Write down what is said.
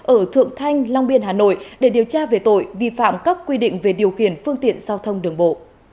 ở thượng thanh long biên hà nội để điều tra về tội vi phạm các quy định về điều khiển phương tiện giao thông đường bộ